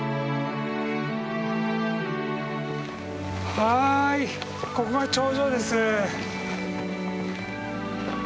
はいここが頂上です。